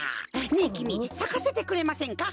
ねえきみさかせてくれませんか？